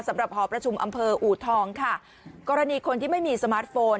หอประชุมอำเภออูทองค่ะกรณีคนที่ไม่มีสมาร์ทโฟน